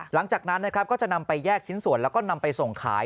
หลังจากนั้นนะครับก็จะนำไปแยกชิ้นส่วนแล้วก็นำไปส่งขาย